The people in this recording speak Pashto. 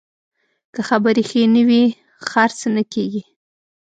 که خبرې ښې نه وي، خرڅ نه کېږي.